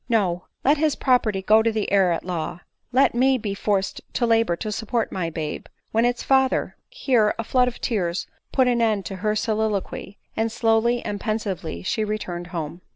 No — let his property go to the heir at law — let me be fprced to labor to support my babe, when its father " here a flood of tears put an end to her soliloquy, and slowly and pensively she returned home.